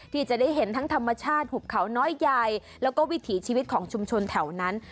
ที่จะได้เห็นทั้งธรรมชาติหุบเขาน้อยใหญ่แล้วก็วิถีชีวิตของชุมชนแถวนั้น